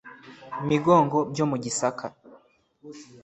Migongo byo mu Gisaka